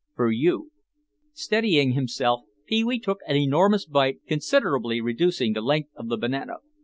"For you." Steadying himself, Pee wee took an enormous bite, considerably reducing the length of the banana.